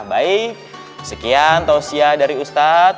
bayi sekian tausia dari ustadz